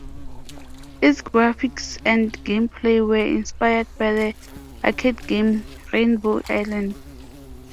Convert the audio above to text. Its graphics and gameplay were inspired by the arcade game Rainbow Islands.